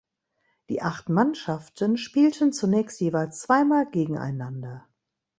Die acht Mannschaften spielten zunächst jeweils zweimal gegeneinander.